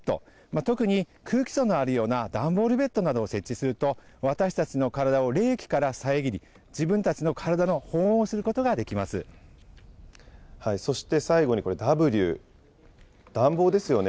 特に空気層のあるような段ボールベッドなどを設置すると、私たちの体を冷気から遮り、自分たちの体の保温をすることができそして最後にこれ、Ｗ、暖房ですよね。